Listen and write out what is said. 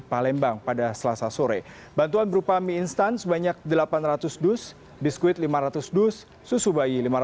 palembang pada selasa sore bantuan berupa mie instan sebanyak delapan ratus dus biskuit lima ratus dus susu bayi